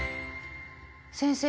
先生